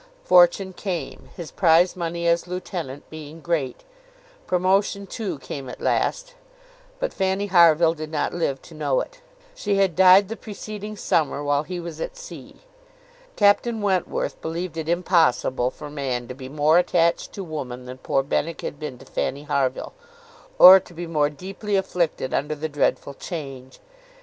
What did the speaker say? Fortune came, his prize money as lieutenant being great; promotion, too, came at last; but Fanny Harville did not live to know it. She had died the preceding summer while he was at sea. Captain Wentworth believed it impossible for man to be more attached to woman than poor Benwick had been to Fanny Harville, or to be more deeply afflicted under the dreadful change.